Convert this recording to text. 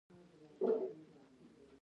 جهانګیر پادشاه په خپل کتاب تزک کې لیکلي دي.